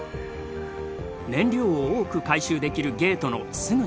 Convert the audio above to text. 燃料を多く回収できるゲートのすぐ近くにいた。